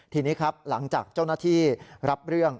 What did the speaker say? ทีนี้ครับหลังจากเจ้าหน้าที่รับเรื่อง